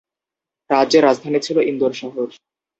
রাজ্যের রাজধানী ছিল ইন্দোর শহর।